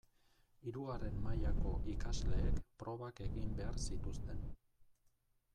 Hirugarren mailako ikasleek probak egin behar zituzten.